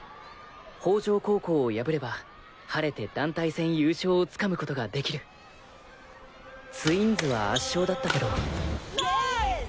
法城高校を破れば晴れて団体戦優勝を掴むことができるツインズは圧勝だったけどイェー！